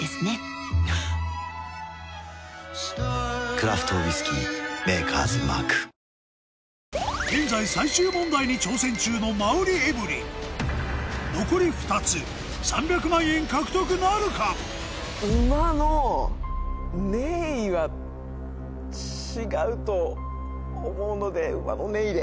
クラフトウイスキー「Ｍａｋｅｒ’ｓＭａｒｋ」現在最終問題に挑戦中の残り２つ３００万円獲得なるか⁉ウマのネーイは違うと思うのでウマのネーイで。